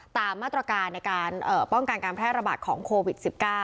ตามมาตรการในการป้องกันการแพร่ระบาดของโควิด๑๙